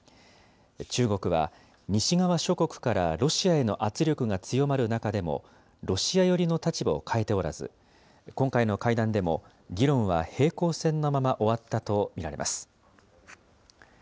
中国は、西側諸国からロシアへの圧力が強まる中でも、ロシア寄りの立場を変えておらず、今回の会談でも、議論は平行線のまま終わったと見られます。